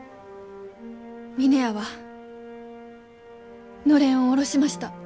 峰屋はのれんを下ろしました。